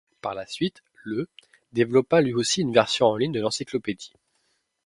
Par la suite, le ' développa lui aussi une version en ligne de l'encyclopédie.